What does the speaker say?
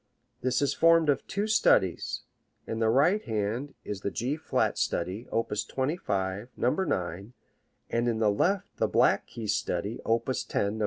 This is formed of two studies. In the right hand is the G flat study, op. 25, No. 9, and in the left the black key study, op. 10, No.